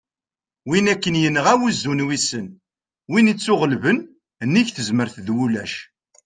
win akken yenɣa "wuzzu n wissen", win ittuɣellben : nnig tezmert d ulac